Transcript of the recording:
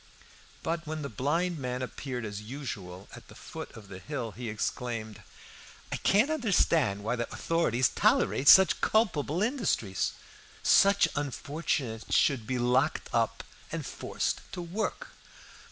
But when the blind man appeared as usual at the foot of the hill he exclaimed "I can't understand why the authorities tolerate such culpable industries. Such unfortunates should be locked up and forced to work.